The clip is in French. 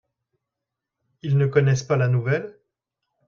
Ils ne connaissent pas la nouvelle ?